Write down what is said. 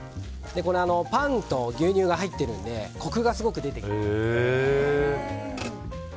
パンと牛乳が入っているのでコクがすごく出てきます。